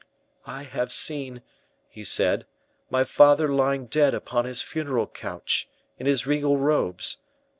"I have seen," he said, "my father lying dead upon his funeral couch, in his regal robes.